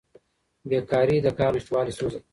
بیکاري د کار نشتوالي ستونزه ده.